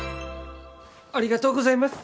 ありがとうございます。